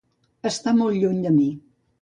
Està molt lluny de mi.